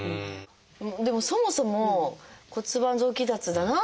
でもそもそも「骨盤臓器脱だな」